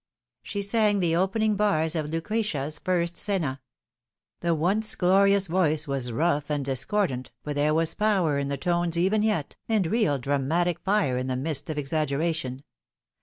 She sang the opening bars of Lucrezia's first scena. The once glorious voice was rough and discordant, but there was power in the tones even yet, and real dramatic fire in the midst of exaggeration.